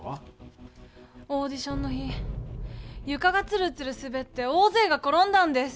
オーディションの日ゆかがツルツルすべって大ぜいが転んだんです。